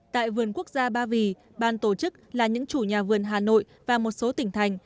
tại vườn quốc gia ba vì ban tổ chức là những chủ nhà vườn hà nội và một số tỉnh thành